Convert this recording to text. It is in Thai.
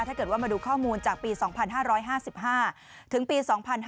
ถ้าเกิดว่ามาดูข้อมูลจากปี๒๕๕๕ถึงปี๒๕๕๙